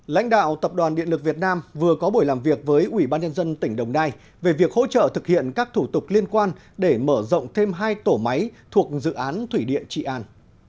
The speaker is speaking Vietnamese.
lãnh đạo tập đoàn điện lực việt nam vừa có buổi làm việc với ủy ban nhân dân tỉnh đồng nai về việc hỗ trợ thực hiện các thủ tục liên quan để mở rộng thêm hai tổ máy thuộc dự án thủy điện trị an